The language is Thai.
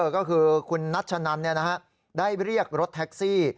ก็คือคุณนัชนันได้เรียกรถแท็กซี่